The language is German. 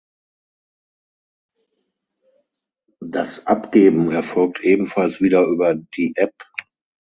Das Abgeben erfolgt ebenfalls wieder über die App.